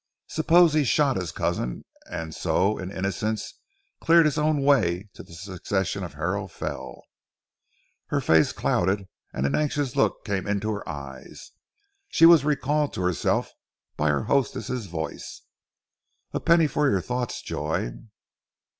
Suppose he shot his cousin, and so, in innocence, cleared his own way to the succession of Harrow Fell? Her face clouded, and an anxious look came into her eyes. She was recalled to herself by her hostess's voice. "A penny for your thoughts, Joy."